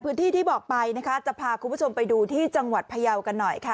ที่บอกไปนะคะจะพาคุณผู้ชมไปดูที่จังหวัดพยาวกันหน่อยค่ะ